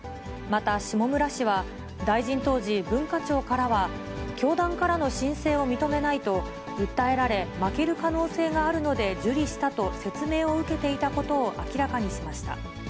また下村氏は、大臣当時、文化庁からは教団からの申請を認めないと訴えられ、負ける可能性があるので受理したと説明を受けていたことを明らかにしました。